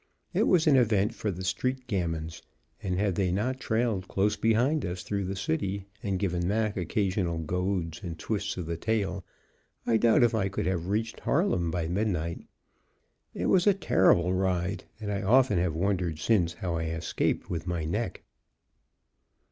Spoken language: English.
It was an event for the street gamins, and, had they not trailed close behind us through the city and given Mac occasional goads and twists of the tail, I doubt if I could have reached Harlem by midnight. It was a terrible ride, and I often have wondered since how I escaped with my neck.